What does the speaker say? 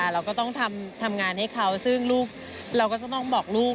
เราก็ต้องทำงานให้เขาซึ่งลูกเราก็จะต้องบอกลูก